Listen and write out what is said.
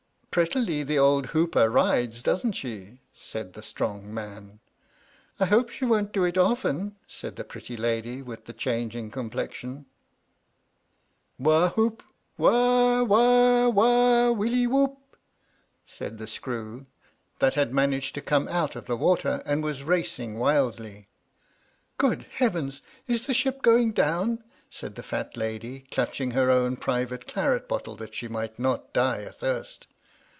"Prettily the old hooper rides, doesn't she?" said the strong man. "I hope she won't do it often," said the pretty lady with the changing complexion. " Wha hoop 1 Wha — wha — wha — willy whoopf said the screw, that had managed to ABAFT THE FUNNEL come out of the water and was racing wildly. "Good heavens I is the ship going down?" said the fat lady, clutching her own private claret bottle that she might not die athirst.